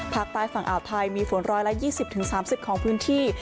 ภาคใต้ฝั่งอ่าวไทยมีฝนร้อยละ๒๐๓๐องศาของพื้นที่